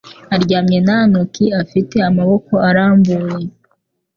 aryamye nta ntoki afite amaboko arambuye